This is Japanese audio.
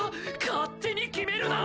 勝手に決めるな！